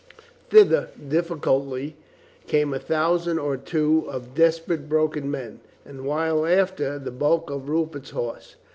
Thither, difficultly, came a thousand or two of desperate, broken men, and a while after, the bulk of Rupert's horse.